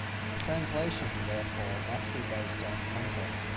Translation therefore must be based on context.